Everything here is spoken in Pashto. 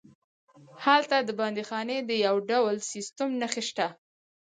هلته د بندیخانې د یو ډول سیسټم نښې شته.